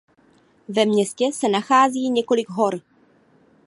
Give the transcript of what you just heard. Ve městě se nachází několik hor.